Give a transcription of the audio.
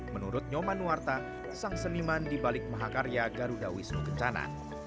menurut nyoman nuwarta sang seniman di balik mahakarya garuda wisnu kencana